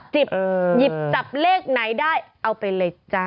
หยิบหยิบจับเลขไหนได้เอาไปเลยจ้ะ